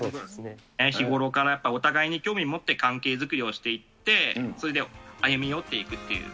日頃からやっぱりお互いに興味を持って、関係づくりをしていって、それで歩み寄っていくっていう。